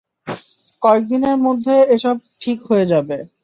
কয়েক দিনের মধ্যে এসব ঠিক হয়ে যাবে।